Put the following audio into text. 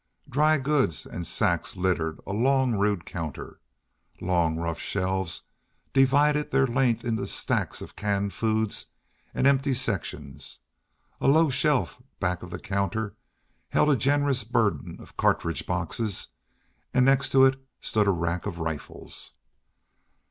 Dry goods and sacks littered a long rude counter; long rough shelves divided their length into stacks of canned foods and empty sections; a low shelf back of the counter held a generous burden of cartridge boxes, and next to it stood a rack of rifles.